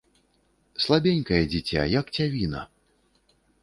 Слабенькае дзіця, як цявіна.